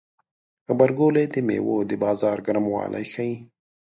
غبرګولی د میوو د بازار ګرموالی ښيي.